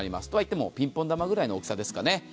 とはいってもピンポン球ぐらいの大きさですかね。